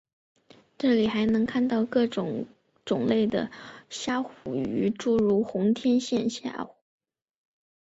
这里还能看到各种种类的虾虎鱼诸如红天线虾虎。